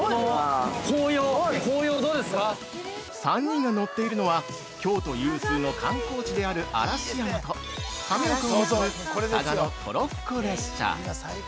◆３人が乗っているのは京都有数の観光地である嵐山と亀岡を結ぶ嵯峨野トロッコ列車。